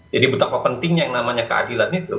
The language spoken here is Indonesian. jadi betapa pentingnya yang namanya keadilan itu